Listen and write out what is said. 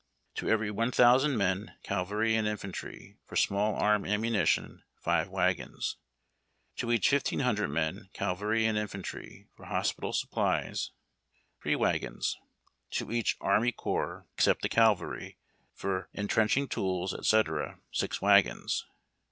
To every 1000 men, cavalry and infantry, for small arm ammunition, 5 wagons. To each 1500 men, cavalry and infantry, for hospital supplies, 3 wagons. To each Army Corps, except the Cavalry, for entrenching tools, &c., 6 wagons.